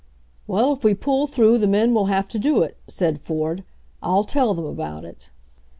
"Well, if we pull through the men will have to do it," said Ford. "I'll tell them about it."